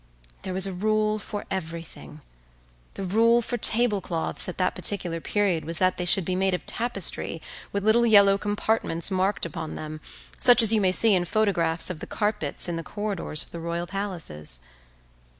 There was a rule for everything. The rule for tablecloths at that particular period was that they should be made of tapestry with little yellow compartments marked upon them, such as you may see in photographs of the carpets in the corridors of the royal palaces.